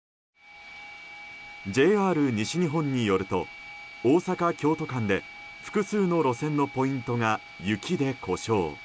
ＪＲ西日本によると大阪京都間で複数の路線のポイントが雪で故障。